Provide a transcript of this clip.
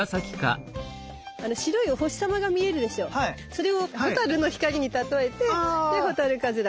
それをホタルの光に例えてホタルカズラ。